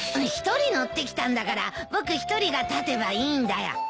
１人乗ってきたんだから僕１人が立てばいいんだよ。